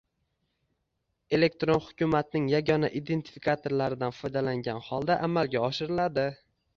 elektron hukumatning yagona identifikatorlaridan foydalangan holda amalga oshiriladi.